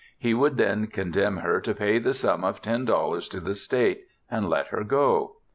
He would then condemn her to pay the sum of ten dollars to the State and let her go.